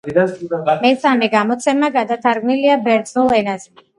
მესამე გამოცემა გადათარგმნილია ბერძნულ ენაზე.